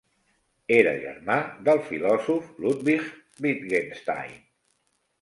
Era germà del filòsof Ludwig Wittgenstein.